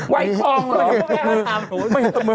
ไปส่องเหรอ